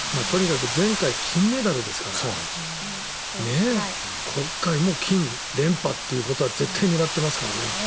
とにかく前回金メダルですから今回も金、連覇というのは絶対狙ってますからね。